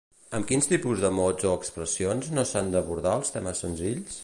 Amb quin tipus de mots o expressions no s'han d'abordar els temes senzills?